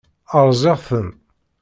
Rẓiɣ-ten.